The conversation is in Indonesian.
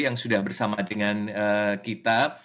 yang sudah bersama dengan kita